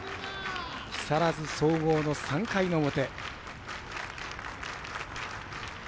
木更津総合の３回の表。